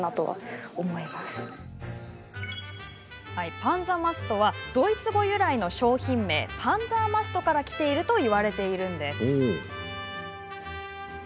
パンザマストはドイツ語由来の商品名パンザーマストからきているといわれているんです。